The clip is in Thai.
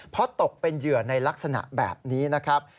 เพราะตกเป็นเหยื่อในลักษณะแบบนี้นะครับ